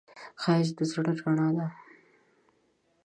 ښایست د زړه رڼا ده